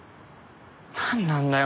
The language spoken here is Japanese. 何なんだよ？